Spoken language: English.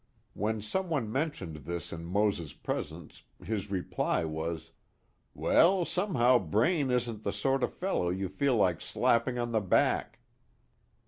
When some one mentioned this in Mose's presence, his reply was: "Well, somehow Braine isn't the sort of fellow you feel like slapping on the back."